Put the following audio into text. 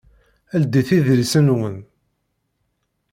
Ldit idlisen-nwen!